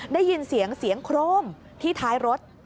ได้ยินเสียงเสียงโครมที่ท้ายรถ